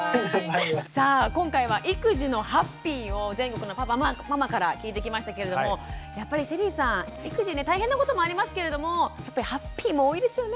さあ今回は育児のハッピーを全国のパパママから聞いてきましたけれどもやっぱりＳＨＥＬＬＹさん育児ね大変なこともありますけれどもやっぱりハッピーも多いですよね？